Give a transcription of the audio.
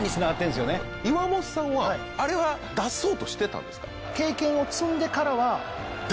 岩本さんはあれは出そうとしてたんですか？